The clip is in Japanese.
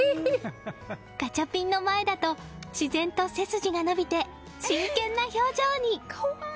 ガチャピンの前だと自然と背筋が伸びて真剣な表情に！